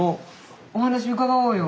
お話伺おうよ。